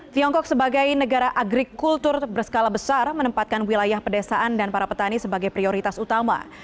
tiongkok sebagai negara agrikultur berskala besar menempatkan wilayah pedesaan dan para petani sebagai prioritas utama